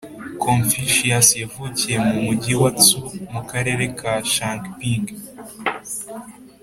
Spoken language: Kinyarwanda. confucius yavukiye mu mugi wa tsou, mu karere ka ch’angping